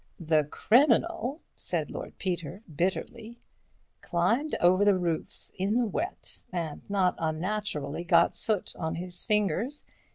"The criminal," said Lord Peter, bitterly, "climbed over the roofs in the wet and not unnaturally got soot on his fingers.